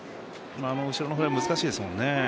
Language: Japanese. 後ろのフライ難しいですもんね。